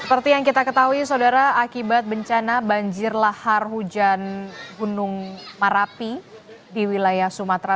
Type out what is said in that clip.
seperti yang kita ketahui saudara akibat bencana banjir lahar hujan gunung merapi di wilayah sumatera